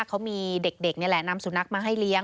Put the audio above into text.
เขามีเด็กนี่แหละนำสุนัขมาให้เลี้ยง